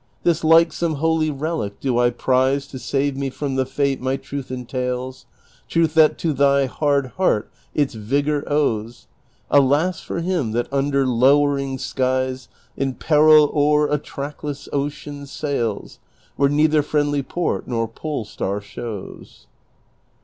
This like some holy relic do I prize To save me from the fate my truth entails, Truth that to thy hard lieart its vigor owes. Alas for him that under lowering skies. In peril o'er a trackless ocean sails, Where neither friendly jjort nor pole star shows."